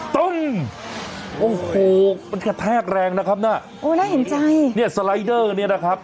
ตุ้มโอ้โหมันกระแทกแรงนะครับน่ะโอ้น่าเห็นใจเนี่ยสไลเดอร์เนี่ยนะครับ